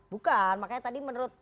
bukan makanya tadi menurut